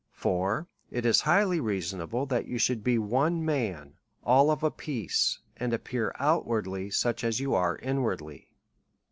For it is highly reasonable, that you should be one man, all of a piece, and appear outwardly such as you are inwardly.